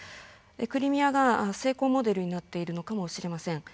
クリミアが成功モデルになっているのかもしれません。